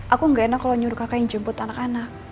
aku gak enak kalau nyuruh kakak yang jemput anak anak